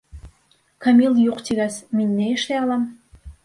Камил юҡ, тигәс, мин ни эшләй алам?